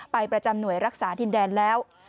ประจำหน่วยรักษาดินแดนแล้ว